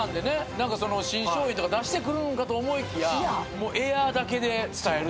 何か新商品とか出してくるんかと思いきやもうエアーだけで伝えるという。